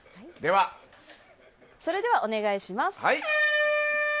それではお願いします。